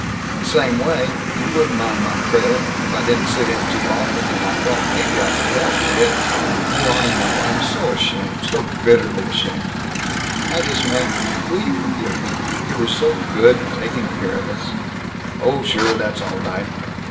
" the same way, you wouldn't mind my trailing, if I didn't sit in too often; and I thought maybe I could help you if " "Oh, I know! I'm so ashamed! So bitterly ashamed! I just meant Will you forgive me? You were so good, taking care of us " "Oh, sure, that's all right!"